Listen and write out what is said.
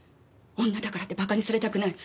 女だからってバカにされたくない。